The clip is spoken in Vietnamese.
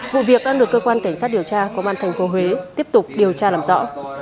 vụ việc đang được cơ quan cảnh sát điều tra của ban thành phố huế tiếp tục điều tra làm rõ